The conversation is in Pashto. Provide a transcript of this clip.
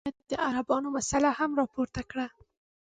ده د عربانو مسله هم راپورته کړه.